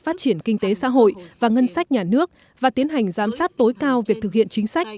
phát triển kinh tế xã hội và ngân sách nhà nước và tiến hành giám sát tối cao việc thực hiện chính sách